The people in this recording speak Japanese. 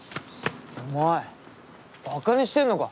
お前ばかにしてんのか！